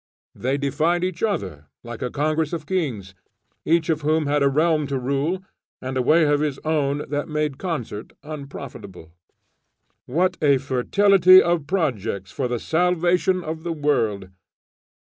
They defied each other, like a congress of kings, each of whom had a realm to rule, and a way of his own that made concert unprofitable. What a fertility of projects for the salvation of the world!